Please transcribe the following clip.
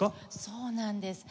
そうなんです。